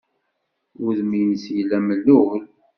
Udem-nnes yella mellul.